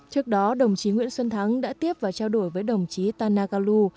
trước đó đồng chí nguyễn xuân thắng đã tiếp và trao đổi với đồng chí tanaka yu